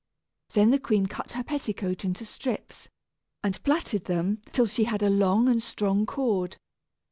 Then the queen cut her petticoat into strips, and plaited them, till she had a long and strong cord.